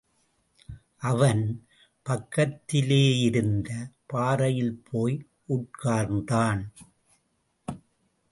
அவன், பக்கத்திலேயிருந்த பாறையில் போய் உட்கார்ந்தான்.